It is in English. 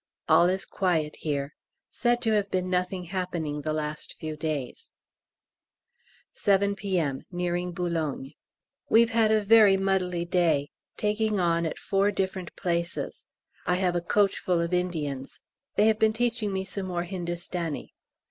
All is quiet here. Said to have been nothing happening the last few days. 7 P.M. Nearing B. We've had a very muddly day, taking on at four different places. I have a coach full of Indians. They have been teaching me some more Hindustani.